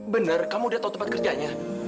bener kamu udah tau tempat kerjanya